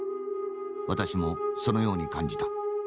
私もそのように感じた。